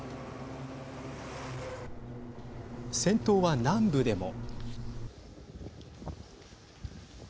戦闘は南部でも。